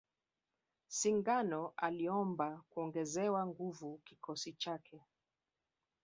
Singano aliomba kungezewa nguvu kikosi chake